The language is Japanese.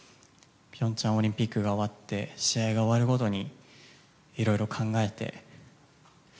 平昌オリンピックが終わって試合が終わるごとにいろいろ考えて。